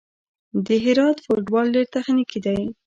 د هرات فوټبال ډېر تخنیکي دی.